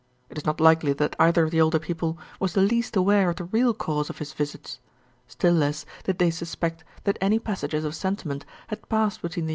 It is not likely that either of the older people was the least aware of the real cause of his visits; still less did they suspect that any passages of sentiment had passed between the young people.